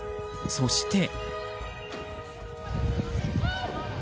そして。